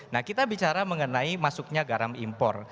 nah kita bicara mengenai masuknya garam impor